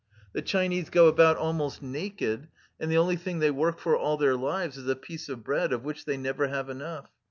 The Chinese go about almost naked, and the only thing they work for all their lives is a piece of bread, of which they never have enough.